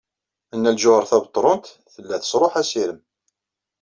Nna Lǧuheṛ Tabetṛunt tella tesṛuḥ assirem.